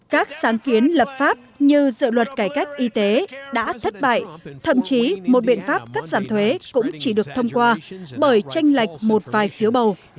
các sáng kiến lập pháp như dự luật cải cách y tế đã thất bại thậm chí một biện pháp cắt giảm thuế cũng chỉ được thông qua bởi tranh lệch một vài phiếu bầu